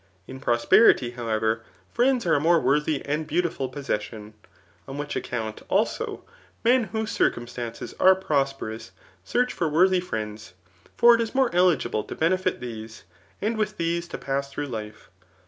In prosperity, however, friends are a more worthy and beautiftil possession ; otk which ac count, also, men whose circumstances are prosperonSt search (or worthy friends j for it is more eligible to bene fk these, and with these to pass through life.